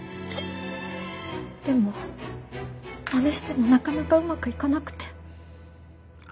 でもまねしてもなかなかうまくいかなくて。